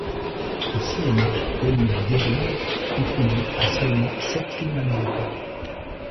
Au cinéma, Olive Deering contribue à seulement sept films américains.